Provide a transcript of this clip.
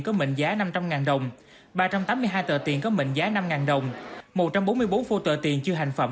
có mệnh giá năm trăm linh đồng ba trăm tám mươi hai tờ tiền có mệnh giá năm đồng một trăm bốn mươi bốn phô tờ tiền chưa hành phẩm